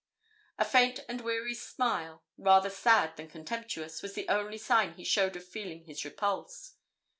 A faint and weary smile, rather sad than comtemptuous, was the only sign he showed of feeling his repulse.